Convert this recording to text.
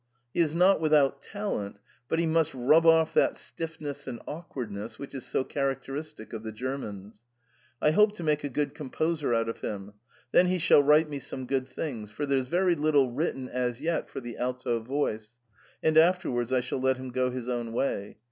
He is not without talent, but he must rub off that stiffness and awkwardness which is so characteristic of the Germans. I hope to make a good composer out of him ; then he shall write me some good things — for there's very little written as yet for the alto voice — and afterwards I shall let him go his own way.